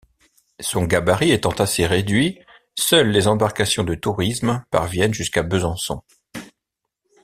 Son gabarit étant assez réduit, seuls les embarcations de tourisme parviennent jusqu'à Besançon.